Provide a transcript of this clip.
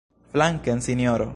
Flanken, sinjoro!